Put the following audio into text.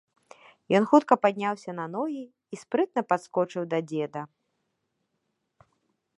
Ён хутка падняўся на ногі і спрытна падскочыў да дзеда.